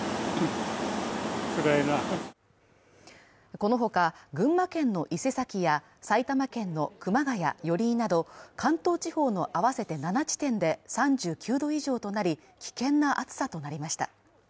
このほか群馬県の伊勢崎や埼玉県の熊谷、寄居など関東地方の合わせて７地点で３９度以上となり、危険な暑さとなりました。